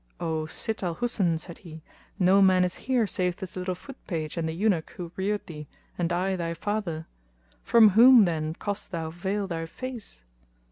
"O Sitt al Husn," said he, "no man is here save this little foot page and the Eunuch who reared thee and I, thy father. From whom, then, dost thou veil thy face?"